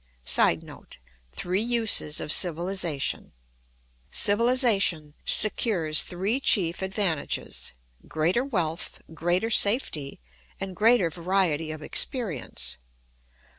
[Sidenote: Three uses of civilisation.] Civilisation secures three chief advantages: greater wealth, greater safety, and greater variety of experience.